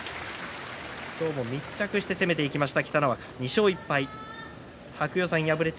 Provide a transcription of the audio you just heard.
今日も密着して攻めていきました